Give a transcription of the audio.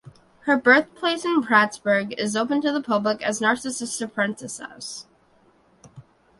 Her birthplace in Prattsburgh is open to the public as the Narcissa Prentiss House.